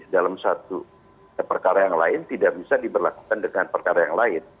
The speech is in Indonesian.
dalam satu perkara yang lain tidak bisa diberlakukan dengan perkara yang lain